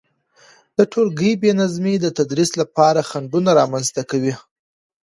د تولګي بي نظمي د تدريس لپاره خنډونه رامنځته کوي،